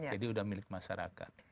jadi sudah milik masyarakat